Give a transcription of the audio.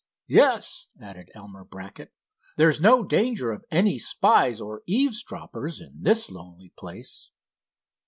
"Yes," added Elmer Brackett, "there's no danger of any spies or eavesdroppers in this lonely place."